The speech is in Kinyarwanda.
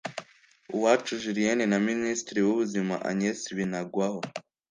Uwacu Julienne na Minisitiri w’Ubuzima Agnes Binagwaho